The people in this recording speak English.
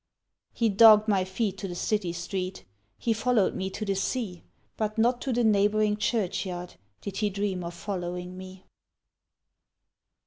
He dogged my feet to the city street, He followed me to the sea, But not to the neighbouring churchyard Did he dream of following me.